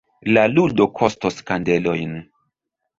La ludo kostos kandelojn.